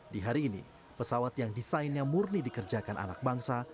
di hari ini pesawat yang desainnya murni dikerjakan anak bangsa